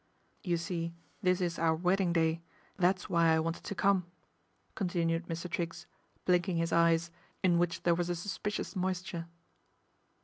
" You see this is our wedding day, that's why I wanted to come," continued Mr. Triggs, blinking his eyes, in which there was a suspicious moisture.